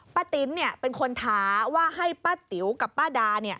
ติ๋มเป็นคนท้าว่าให้ป้าติ๋วกับป้าดา